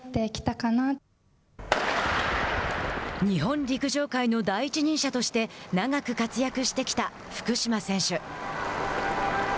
日本陸上界の第一人者として長く活躍してきた福島選手。